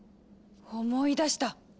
思い出した。